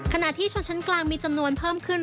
ขณะที่ชนชั้นกลางมีจำนวนเพิ่มขึ้น